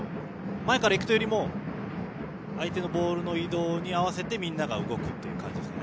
前から行くというより相手のボールの移動に合わせてみんなが動く感じですね。